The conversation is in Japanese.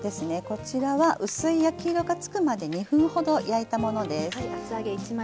こちらは薄い焼き色が付くまで２分ほど焼いたものです。